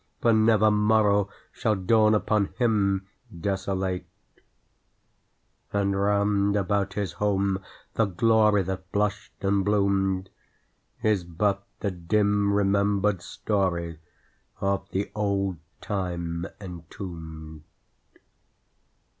for never morrow Shall dawn upon him desolate !) And round about his home the glory That blushed and bloomed, Is but a dim remembered story Of the old time entombed.